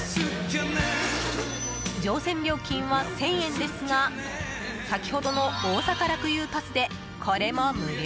乗船料金は１０００円ですが先ほどの大阪楽遊パスでこれも無料。